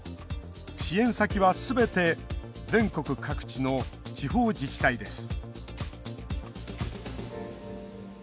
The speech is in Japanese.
支援先は、すべて全国各地の地方自治体です